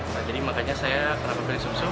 nah jadi makanya saya kenapa beli sum sum